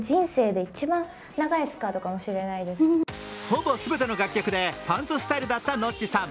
ほぼ全ての楽曲でパンツスタイルだった、のっちさん。